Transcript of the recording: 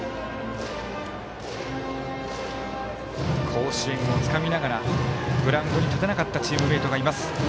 甲子園をつかみながらグラウンドに立てなかったチームメートがいます。